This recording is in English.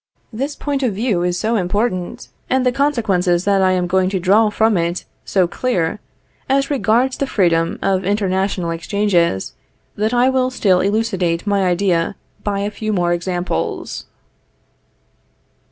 This point of view is so important, and the consequences that I am going to draw from it so clear, as regards the freedom of international exchanges, that I will still elucidate my idea by a few more examples.